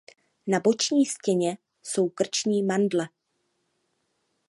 Na boční stěně jsou krční mandle.